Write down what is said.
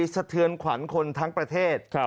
สะเทือนขวัญคนทั้งประเทศ